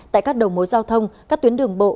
tại các đầu mối giao thông các tuyến đường bộ